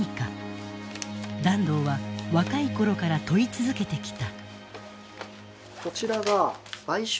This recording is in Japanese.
團藤は若い頃から問い続けてきた。